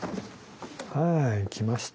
はい来ました。